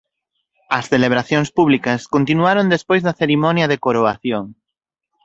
As celebracións públicas continuaron despois da cerimonia de coroación.